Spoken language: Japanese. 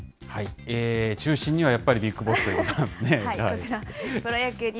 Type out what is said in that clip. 中心にはやっぱりビッグボスということなんですね。